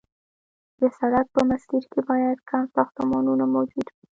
د سړک په مسیر کې باید کم ساختمانونه موجود وي